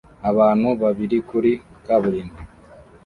Abantu babiri kuri kaburimbo